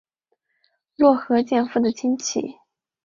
落合建夫的亲戚。